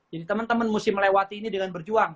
jadi teman teman mesti melewati ini dengan berjuang